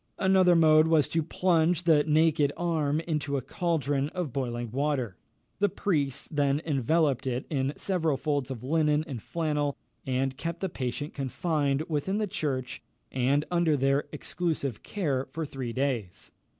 Another mode was to plunge the naked arm into a caldron of boiling water. The priests then enveloped it in several folds of linen and flannel, and kept the patient confined within the church, and under their exclusive care, for three days.